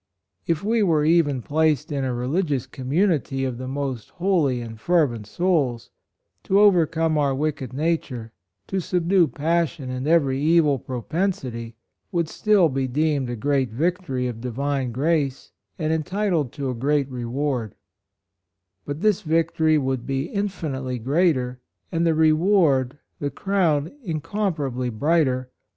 If we were even placed in a religious community of the most holy and fervent souls, to overcome our wicked nature — to subdue passion and every evil propensity would still be deemed a great victory of divine grace and entitled to a great reward ; but this victory would be infinitely greater, and the reward, the crown incomparably brighter, MONUMENT.